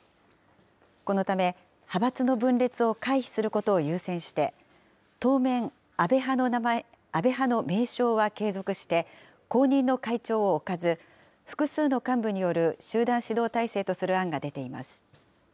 このため、派閥の分裂を回避することを優先して、当面、安倍派の名称は継続して後任の会長を置かず、複数の幹部による集団指導体制とする案が出ています。